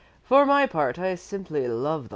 For my part, I simply love them."